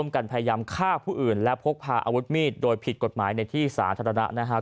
กันพยายามฆ่าผู้อื่นและพกพาอาวุธมีดโดยผิดกฎหมายในที่สาธารณะนะครับ